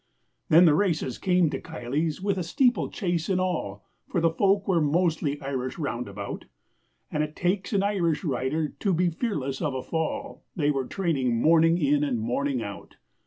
Then the races came to Kiley's with a steeplechase and all, For the folk were mostly Irish round about, And it takes an Irish rider to be fearless of a fall, They were training morning in and morning out.